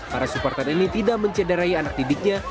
para supporter ini tidak mencederai anak didiknya